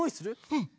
うん！